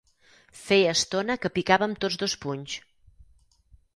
Feia estona que picava amb tots dos punys.